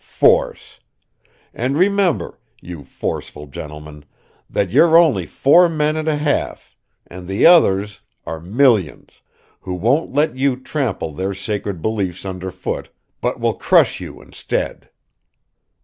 Force! And remember, you forceful gentlemen, that you're only four men and a half, and the others are millions, who won't let you trample their sacred beliefs under foot, but will crush you instead!"